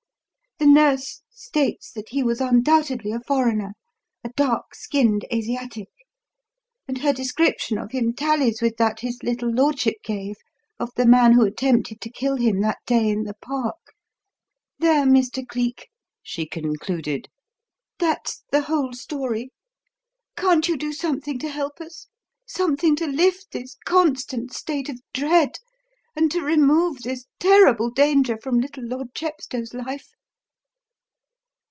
The nurse states that he was undoubtedly a foreigner a dark skinned Asiatic and her description of him tallies with that his little lordship gave of the man who attempted to kill him that day in the Park. There, Mr. Cleek," she concluded, "that's the whole story. Can't you do something to help us something to lift this constant state of dread and to remove this terrible danger from little Lord Chepstow's life?"